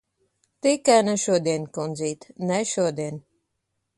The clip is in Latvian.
Tikai ne šodien, kundzīt. Ne šodien!